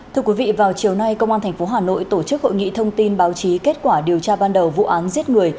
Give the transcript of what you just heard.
thưa quý vị vào chiều nay công an tp hà nội tổ chức hội nghị thông tin báo chí kết quả điều tra ban đầu vụ án giết người